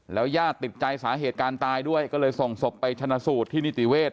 ญาติติดใจสาเหตุการตายด้วยก็เลยส่งศพไปชนะสูตรที่นิติเวศ